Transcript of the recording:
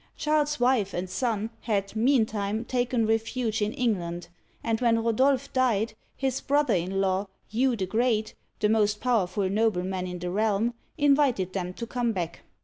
Charles's wife and son had, meantime, taken refuge in England, and when Rodolph died, his brother in law, Hugh the Great — the most powerful nobleman in the realm — in vited them to come back.